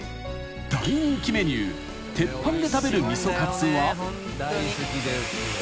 ［大人気メニュー鉄板で食べるみそかつは］